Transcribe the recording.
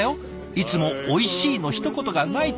「いつも『おいしい』のひとことがない」と。